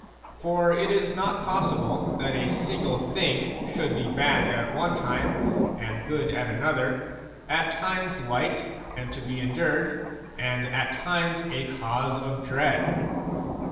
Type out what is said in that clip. For it is not possible that a single thing should be bad at one time and good at another, at times light and to be endured, and at times a cause of dread.